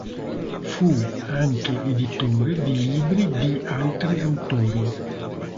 Fu anche editore di libri di altri autori.